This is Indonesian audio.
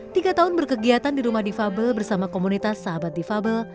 tiga tahun berkegiatan di rumah difabel bersama komunitas sahabat difabel